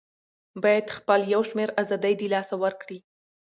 بايد خپل يو شمېر آزادۍ د لاسه ورکړي